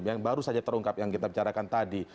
yang baru saja terungkap yang kita bicarakan tadi